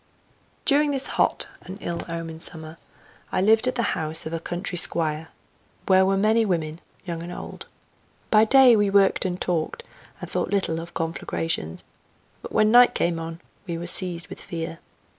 During this hot and ill omened summer I lived at the house of a country squire, where were many women, young and old. By day we worked and talked, and thought little of conflagrations, but when night came on we were seized with fear.